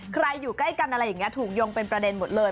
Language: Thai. อยู่ใกล้กันอะไรอย่างนี้ถูกยงเป็นประเด็นหมดเลย